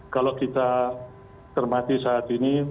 kalau kita termati saat ini